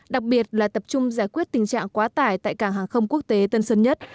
đặc biệt là tập trung giải quyết tình trạng quá tải tại cảng hàng không quốc tế tân sơn nhất